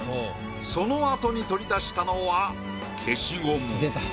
そのあとに取り出したのは消しゴム。